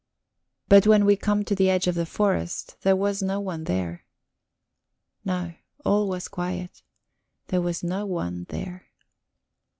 But when we come to the edge of the wood there was no one there. No, all was quiet; there was no one there.